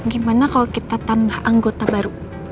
gimana kalau kita tambah anggota baru